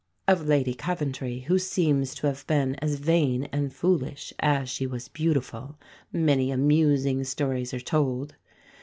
Of Lady Coventry, who seems to have been as vain and foolish as she was beautiful, many amusing stories are told.